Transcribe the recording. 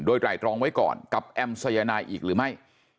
โดยไหร่ตรองไว้ก่อนกับแอมสายนายอีกหรือไม่